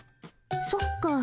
そっか。